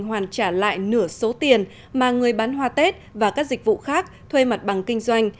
hoàn trả lại nửa số tiền mà người bán hoa tết và các dịch vụ khác thuê mặt bằng kinh doanh